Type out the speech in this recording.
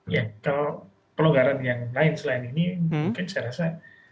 ya kalau pelonggaran yang lain selain ini mungkin saya rasa